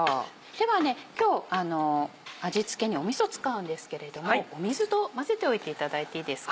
では今日味付けにみそ使うんですけれども水と混ぜておいていただいていいですか？